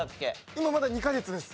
今まだ２カ月です。